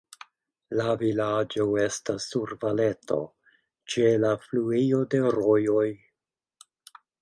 La vilaĝo estas sur valeto, ĉe la fluejo de rojoj.